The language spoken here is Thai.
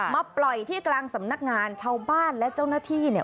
มาปล่อยที่กลางสำนักงานชาวบ้านและเจ้าหน้าที่เนี่ย